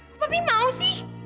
kok mami mau sih